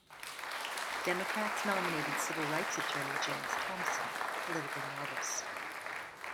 Democrats nominated civil-rights attorney James Thompson, a political novice.